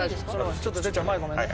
ちょっと哲ちゃん前ごめんね。